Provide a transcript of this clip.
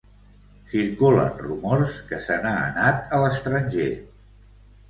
Circulen rumors que se n'ha anat a l'estranger.